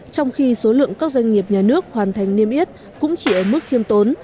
trong khi số lượng các doanh nghiệp nhà nước hoàn thành niêm yết cũng chỉ ở mức khiêm tốn